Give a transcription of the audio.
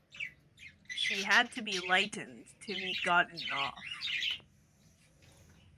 She had to be lightened to be gotten off.